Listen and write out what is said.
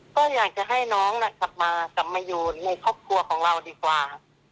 ก็อยากจะให้น้องกลับมากลับมาอยู่ในครอบครัวของเราดีกว่า